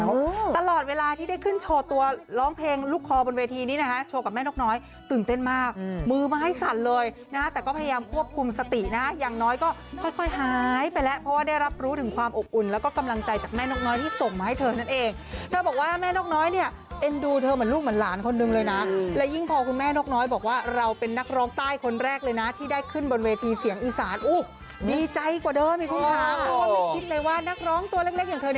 ความจริงไปแล้วตลอดเวลาที่ได้ขึ้นโชว์ตัวร้องเพลงลูกคอบนเวทีนี้นะฮะโชว์กับแม่นกน้อยตื่นเต้นมากมือมาให้สั่นเลยนะแต่ก็พยายามควบคุมสตินะอย่างน้อยก็ค่อยหายไปแล้วเพราะว่าได้รับรู้ถึงความอบอุ่นแล้วก็กำลังใจจากแม่นกน้อยที่ส่งมาให้เธอนั่นเองเธอบอกว่าแม่นกน้อยเนี้ยเอ็นดูเธอเหมื